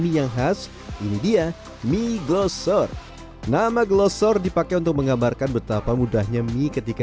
mie yang khas ini dia mie glosor nama glosor dipakai untuk menggambarkan betapa mudahnya mie ketika